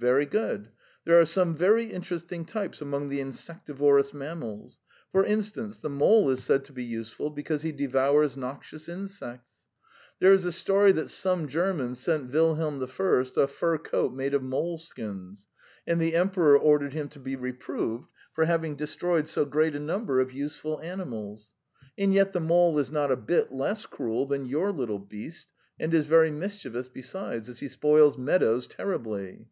"Very good. There are some very interesting types among the insectivorous mammals. For instance, the mole is said to be useful because he devours noxious insects. There is a story that some German sent William I. a fur coat made of moleskins, and the Emperor ordered him to be reproved for having destroyed so great a number of useful animals. And yet the mole is not a bit less cruel than your little beast, and is very mischievous besides, as he spoils meadows terribly."